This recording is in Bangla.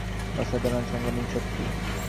একজন যোদ্ধা বিড়ালের থাকে অসাধারণ সংবেদন শক্তি।